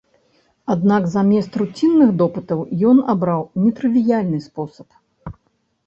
Аднак замест руцінных допытаў ён абраў нетрывіяльны спосаб.